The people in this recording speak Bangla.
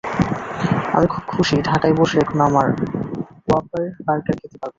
আমি খুব খুশি ঢাকায় বসে এখন আমার ওয়াপার বার্গার খেতে পারব।